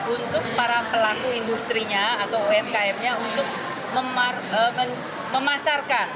untuk para pelaku industri atau umkm untuk memasarkan